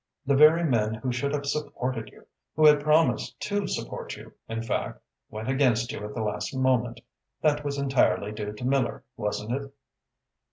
The very men who should have supported you who had promised to support you, in fact went against you at the last moment. That was entirely due to Miller, wasn't it?"